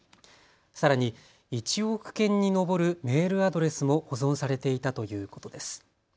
さらに１億件に上るメールアドレスも保存されていたということです。